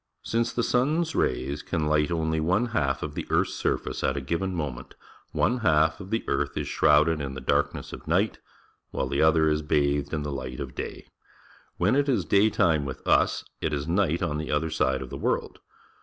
Since the sun's rays can light only one half of the earth's surface at a given moment, one half of the world is shrouded in the darkness of night while the other is bathed in the light of day. ^^^len it is daytime with us, it is night on the other side of the world.